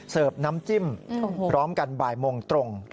น้ำจิ้มพร้อมกันบ่ายโมงตรง